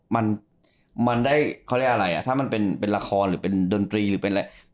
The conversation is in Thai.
มันมันได้เขาเรียกอะไรอ่ะถ้ามันเป็นเป็นละครหรือเป็นดนตรีหรือเป็นอะไร